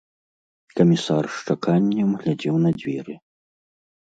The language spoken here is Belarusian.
Камісар з чаканнем глядзеў на дзверы.